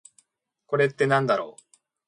これってなんだろう？